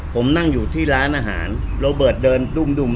ผมนั่งอยู่ที่ร้านอาหารโรเบิร์ตเดินดุ้ม